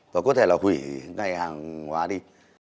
và có thể là hủy ngay hàng hóa đi